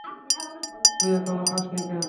তুই এখনও খাসনি কেন?